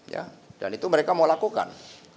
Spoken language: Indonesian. ya dan itu mereka mau lakukan